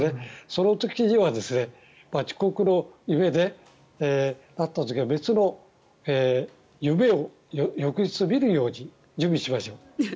その時には遅刻の夢であった時は別の夢を翌日、見るように準備しましょう。